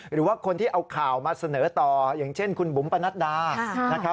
หรือว่าคนที่เอาข่าวมาเสนอต่ออย่างเช่นคุณบุ๋มปนัดดานะครับ